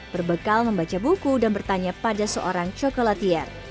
berbekal membaca buku dan bertanya pada seorang cokolatiar